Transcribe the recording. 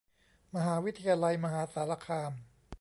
มหาวิทยาลัยมหาสารคาม